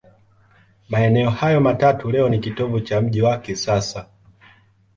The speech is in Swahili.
Maeneo hayo matatu leo ni kitovu cha mji wa kisasa.